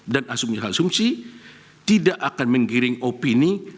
dan asumsi asumsi tidak akan menggiring opini